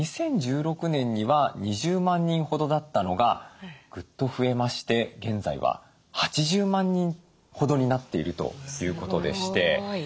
２０１６年には２０万人ほどだったのがグッと増えまして現在は８０万人ほどになっているということでして。